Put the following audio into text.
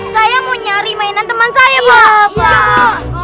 saya mau nyari mainan teman saya pak